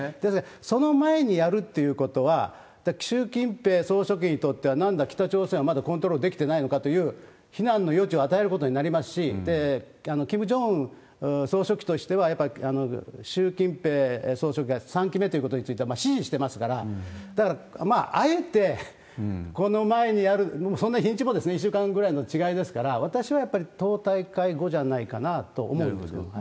その前にやるっていうことは、習近平総書記にとってはなんだ、北朝鮮はまだコントロールできてないのかという非難の余地を与えることになりますし、キム・ジョンウン総書記としては、やっぱり習近平総書記が３期目ということについては支持してますから、だから、あえてこの前にやる、そんな日にちも１週間ぐらいの違いですから、私はやっぱり党大会後じゃないかと思うんですけれども。